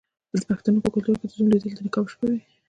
د پښتنو په کلتور کې د زوم لیدل د نکاح په شپه وي.